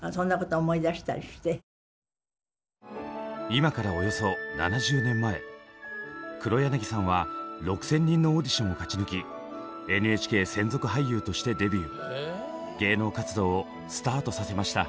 今からおよそ７０年前黒柳さんは６，０００人のオーディションを勝ち抜き芸能活動をスタートさせました。